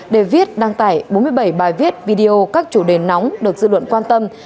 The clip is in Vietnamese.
để viết đăng tải bốn mươi bảy bài viết video các chủ đề nóng được dư luận quan tâm